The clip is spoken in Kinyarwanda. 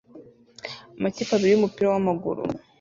Amakipe abiri yumupira wamaguru